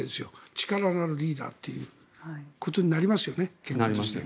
力のあるリーダーということになりますよね。